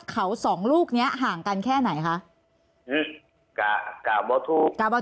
เขาสองลูกเนี้ยห่างกันแค่ไหนคะกะกะว่าถูกกะว่า